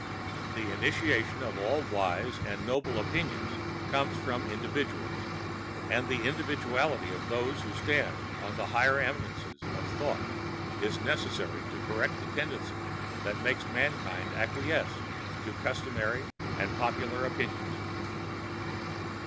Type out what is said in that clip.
The initiation of all wise and noble opinions must come from individuals, and the individuality of those who stand on the higher eminences of thought is necessary to correct the tendency that makes mankind acquiesce in customary and popular opinions.